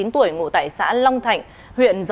hai mươi chín tuổi ngụ tại xã long thạnh huyện dồng vĩnh